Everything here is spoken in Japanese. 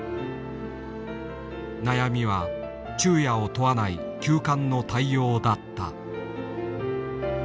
悩みは昼夜を問わない急患の対応だった。